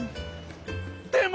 でも！